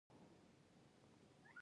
د بزګر لاسونه تڼاکې دي؟